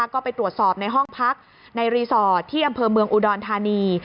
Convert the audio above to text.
ก็ไปตรวจสอบในห้องพักในรีสอร์ทที่อำเภอเมืองอุดรธานี